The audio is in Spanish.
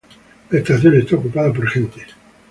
La estación está ocupada por gente.